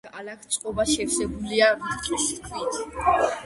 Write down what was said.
ალაგ-ალაგ წყობა შევსებულია რიყის ქვით.